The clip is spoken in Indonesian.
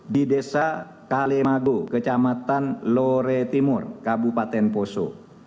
di desa kalemago kecamatan lore timur kabupaten poso